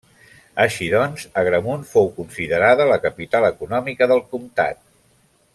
Així doncs Agramunt fou considerada la capital econòmica del comtat.